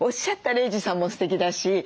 玲児さんもすてきだし。